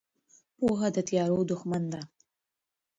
پوهه د تیارو دښمن ده.